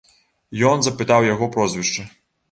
Ён запытаў яго прозвішча.